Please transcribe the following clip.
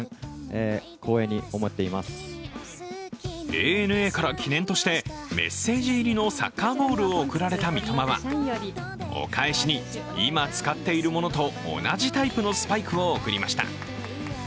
ＡＮＡから記念としてメッセージ入りのサッカーボールを贈られた三笘は、お返しに、今使っているものと同じタイプのスパイクを送りました。